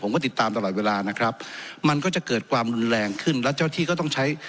ติดตามตลอดเวลานะครับมันก็จะเกิดความรุนแรงขึ้นแล้วเจ้าที่ก็ต้องใช้